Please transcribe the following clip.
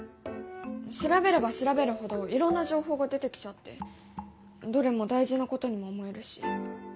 調べれば調べるほどいろんな情報が出てきちゃってどれも大事なことにも思えるし。